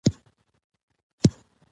له اضطراب سره د مقابلې لپاره ساه واخلئ.